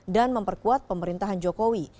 dan memperkuat pemerintahan jokowi